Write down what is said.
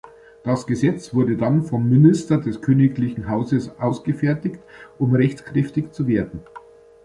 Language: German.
Das Gesetz wurde dann vom Minister des Königlichen Hauses ausgefertigt, um rechtskräftig zu werden.